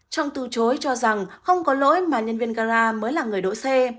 trọng từ chối cho rằng không có lỗi mà nhân viên gara mới là người đỗ xe